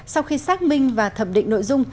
sau khi xác minh và thập định nội dung